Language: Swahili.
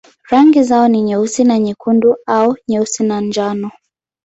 Rangi zao ni nyeusi na nyekundu au nyeusi na njano.